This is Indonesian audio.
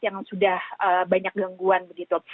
yang sudah banyak gangguan begitu